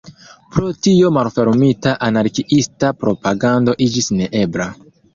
Pro tio malfermita anarkiista propagando iĝis neebla.